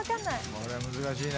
これは難しいね。